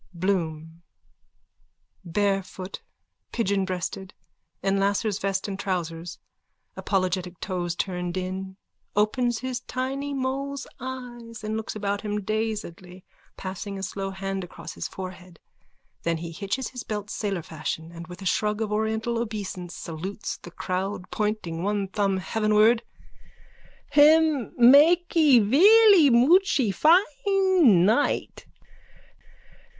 BLOOM: _(Barefoot, pigeonbreasted, in lascar's vest and trousers, apologetic toes turned in, opens his tiny mole's eyes and looks about him dazedly, passing a slow hand across his forehead. Then he hitches his belt sailor fashion and with a shrug of oriental obeisance salutes the court, pointing one thumb heavenward.)_ Him makee velly muchee fine night.